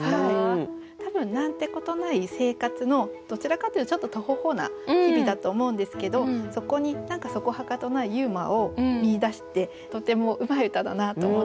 多分何てことない生活のどちらかというとちょっとトホホな日々だと思うんですけどそこに何かそこはかとないユーモアを見いだしてとてもうまい歌だなと思って見ました。